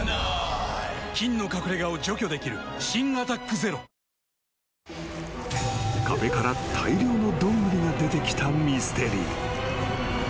菌の隠れ家を除去できる新「アタックＺＥＲＯ」［壁から大量のドングリが出てきたミステリー］